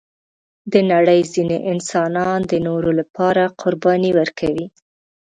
د نړۍ ځینې انسانان د نورو لپاره قرباني ورکوي.